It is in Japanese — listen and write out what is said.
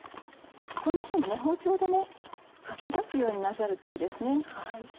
こんなふうに包丁でかき出すようになさるといいです。